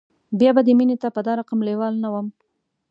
بیا به دې مینې ته په دا رقم لیوال نه وم